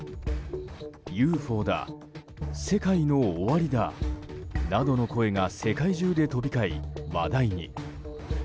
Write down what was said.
ＵＦＯだ世界の終わりだなどの声が世界中で飛び交い、話題に。